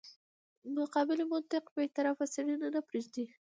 مقابلې منطق بې طرفه څېړنه نه پرېږدي.